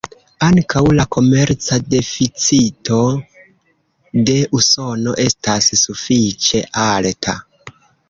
Ankaŭ la komerca deficito de Usono estas sufiĉe alta.